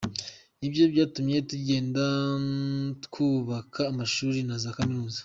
Ni byo byatumye tugenda twubaka amashuri na za kaminuza.